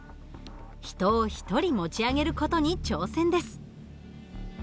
人を一人持ち上げる事に挑戦です。